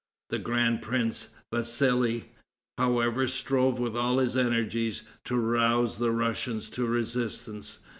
The grand prince, Vassali, however, strove with all his energies to rouse the Russians to resistance.